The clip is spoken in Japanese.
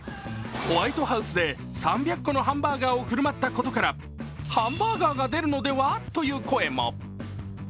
ホワイトハウスで３００個のハンバーガーを振る舞ったことからハンバーガーが出るのではという声も。